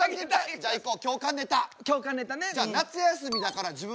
じゃあいこう。